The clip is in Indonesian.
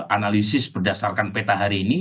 analisis berdasarkan peta hari ini